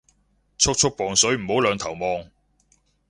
速速磅水唔好兩頭望